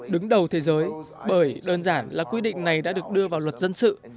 đứng đầu thế giới bởi đơn giản là quy định này đã được đưa vào luật dân sự